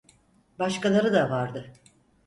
Başkaları da vardı.